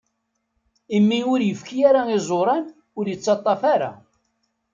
Imi ur ifki ara iẓuran, ur ittaṭṭaf ara.